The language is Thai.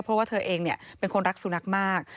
เพราะว่าเธอเองเป็นคนรักสุนัขมาก